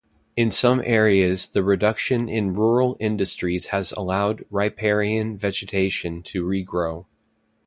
In some areas the reduction in rural industries has allowed riparian vegetation to regrow.